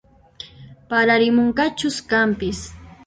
Pararimunqachus kanpis